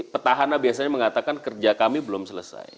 petahana biasanya mengatakan kerja kami belum selesai